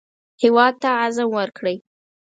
هېواد ته عزم ورکړئ